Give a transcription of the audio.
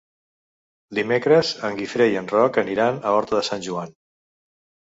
Dimecres en Guifré i en Roc aniran a Horta de Sant Joan.